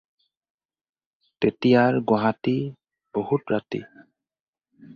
তেতিয়াৰ গুৱাহাটীত বহুত ৰাতি।